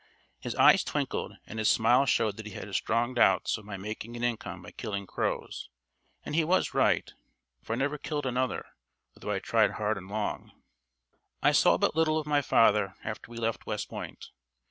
His eyes twinkled, and his smile showed that he had strong doubts of my making an income by killing crows, and he was right, for I never killed another, though I tried hard and long. I saw but little of my father after we left West Point.